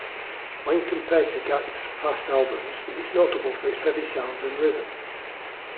When compared to Gackt's past albums, it's notable for its heavy sound and rhythm.